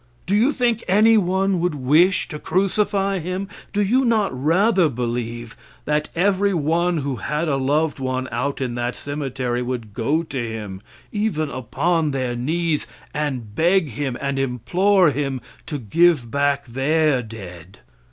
Do you think any one would wish to crucify him? Do you not rather believe that every one who had a loved one out in that cemetery would go to him, even upon their knees, and beg him and implore him to give back their dead?